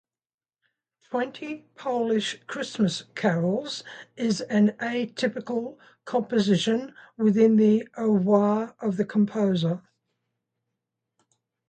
"Twenty Polish Christmas Carols" is an atypical composition within the oeuvre of the composer.